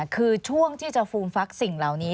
คือช่วงที่จะฟูมฟักสิ่งเหล่านี้